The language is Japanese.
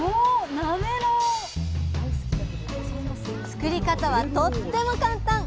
作り方はとっても簡単！